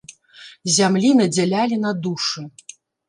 Зямлі надзялялі на душы.